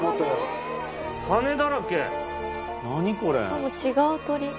しかも違う鳥。